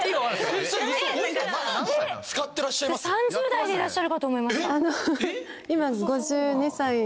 ３０代でいらっしゃるかと思いました。